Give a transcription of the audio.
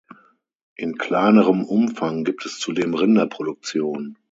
In kleinerem Umfang gibt es zudem Rinderproduktion.